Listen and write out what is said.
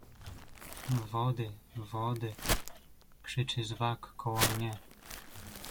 "„Wody, wody“ krzyczy Zwak koło mnie."